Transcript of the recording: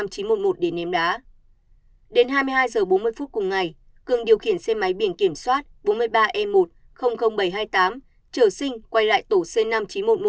cường điều khiển xe máy biển kiểm soát bốn mươi ba e một bảy trăm hai mươi tám trở sinh quay lại tổ c năm nghìn chín trăm một mươi một